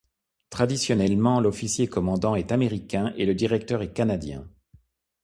Traditionnellement, l'officier commandant est Américain et le directeur est Canadien.